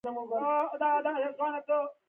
احمد ټول کار ترسره کړي په لکۍ کې یې پرېږدي.